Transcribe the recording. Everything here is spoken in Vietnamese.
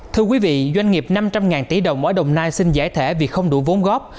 thưa quý vị doanh nghiệp năm trăm linh tỷ đồng ở đồng nai xin giải thể vì không đủ vốn góp